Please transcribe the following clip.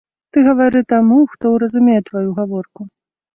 Ты гавары таму, хто ўразумее тваю гаворку.